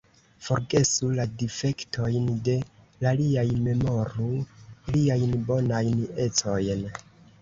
Forgesu la difektojn de l' aliaj, memoru iliajn bonajn ecojn.